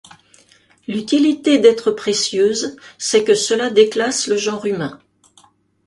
L’utilité d’être précieuse, c’est que cela déclasse le genre humain.